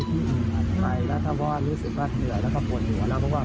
คือหมายไปทางของที่ผลมาจะไปส่งที่ไหน